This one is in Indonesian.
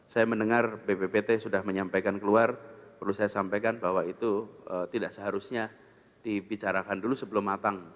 saya mendengar bppt sudah menyampaikan keluar perlu saya sampaikan bahwa itu tidak seharusnya dibicarakan dulu sebelum matang